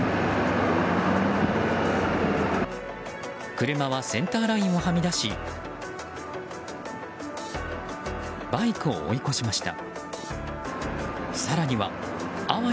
車はセンターラインをはみ出しバイクを追い越しました。